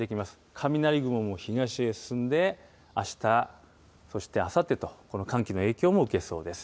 雷雲も東へ進んで、あした、そしてあさってと、この寒気の影響を受けそうです。